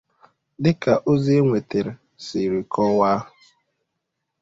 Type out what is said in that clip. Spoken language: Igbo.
Dịka ozi e nwetere siri kọwaa